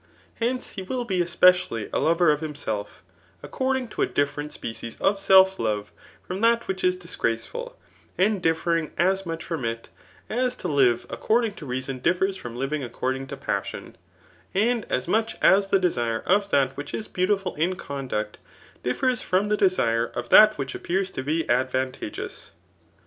Hence, he will be especially a lover of himself, according to a different specif of self love from that which is disgraceful, and differing as much from it as to hVe according to reason differs from livmg accord iag to passion, and as much as the desire of that which b beautiful in conduct, differs from the desire of that which appears to be advantageous.